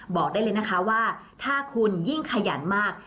บอกได้เลยนะคะว่าถ้าคุณยิ่งขยันมาก